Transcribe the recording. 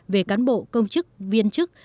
về cán bộ công chức viên chức